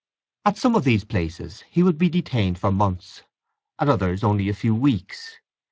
At some of these places he would be detained for months, at others only a few weeks.